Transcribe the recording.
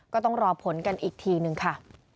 ก็ต้องรอผลกันอีกทีนึงค่ะ